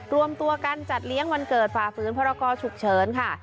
รวมตัวกันจัดเลี้ยงวันเกิดฝ่าฝืนพรกรฉุกเฉินค่ะ